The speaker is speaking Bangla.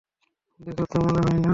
দেখে তো মনে হয় না!